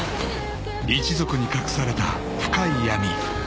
［一族に隠された深い闇］